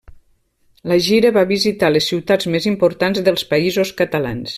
La gira va visitar les ciutats més importants dels Països Catalans.